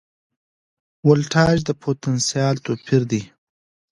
ولتاژ د پوتنسیال توپیر دی.